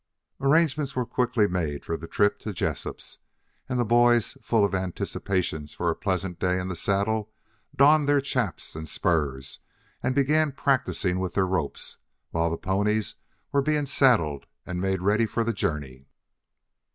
Arrangements were quickly made for the trip to Jessup's, and the boys, full of anticipations for a pleasant day in the saddle, donned their chaps and spurs, and began practising with their ropes, while the ponies were being saddled and made ready for the journey.